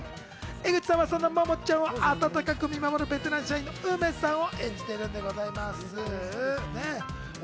江口さんは、そんなモモちゃんを温かく見守るベテラン社員ウメさんを演じているんでございます。